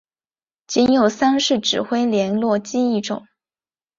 仅有三式指挥连络机一种。